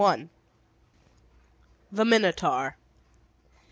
THE MINOTAUR.